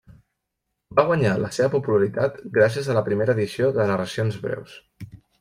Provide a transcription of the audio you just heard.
Va guanyar la seva popularitat gràcies a la primera edició de narracions breus.